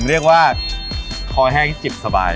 เรียกว่าคอแห้งจิบสบาย